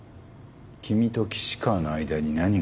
君と岸川の間に何があった？